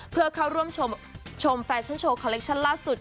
เพื่อเข้าร่วมชมแฟชั่นโชว์คอลเคชั่นล่าสุด